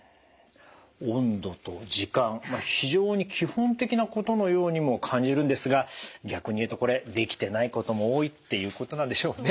温度と時間非常に基本的なことのようにも感じるんですが逆に言うとこれできてないことも多いっていうことなんでしょうね。